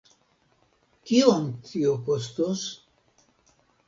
Kiom tio kostos?